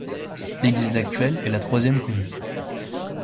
L'église actuelle est la troisième connue.